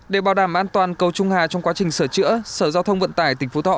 để bảo đảm an toàn cầu trung hà trong quá trình sửa chữa sở giao thông vận tải tỉnh phú thọ